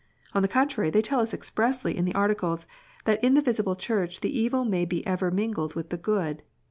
On the contrary, they tell us expressly in the Articles, that "in the visible Church the evil be ever mingled w r ith the good."